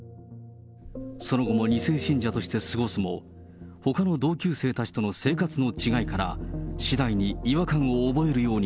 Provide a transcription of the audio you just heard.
その後も２世信者として過ごすも、ほかの同級生たちとの生活の違いから、しだいに違和感を覚えるよあれ？